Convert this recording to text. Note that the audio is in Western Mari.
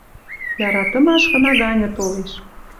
Яратымаш хына ганьы толеш